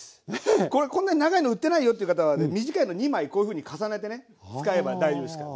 これこんなに長いの売ってないよっていう方はね短いの２枚こういうふうに重ねてね使えば大丈夫ですから。